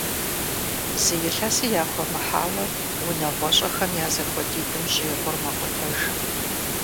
Зы илъэси яхуэмыхьауэ, унагъуэщӀэхэм я зэхуэдитӀым щӀигъур мэкъутэж.